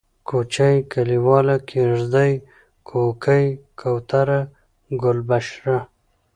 کوچۍ ، کليواله ، کيږدۍ ، کوکۍ ، کوتره ، گلبشره